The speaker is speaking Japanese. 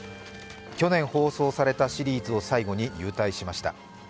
去年放送されたシリーズを最後に勇退しました。